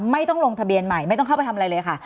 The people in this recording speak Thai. ไม่ต้องลงทะเบียนใหม่ไม่ต้องเข้าไปทำอะไรเลยค่ะ